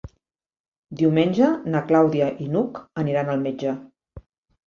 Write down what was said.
Diumenge na Clàudia i n'Hug aniran al metge.